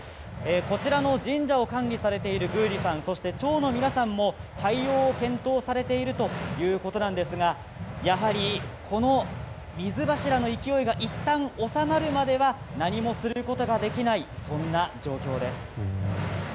こちらの神社を管理されている宮司さんそして町の皆さんも対応を検討されているということなんですがやはり、この水柱の勢いがいったん収まるまでは何もすることができないそんな状況です。